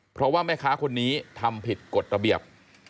เพราะว่าแม่ค้าคนนี้ทำผิดกฎระเบียบ